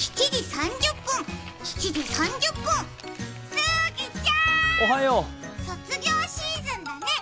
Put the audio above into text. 杉ちゃん、卒業シーズンだね。